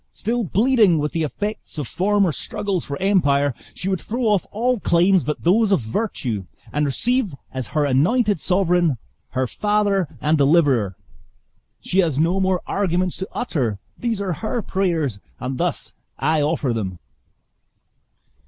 still bleeding with the effects of former struggles for empire, she would throw off all claims but those of virtue, and receive as her anointed sovereign, her father and deliverer! She has no more arguments to utter these are her prayers, and thus I offer them."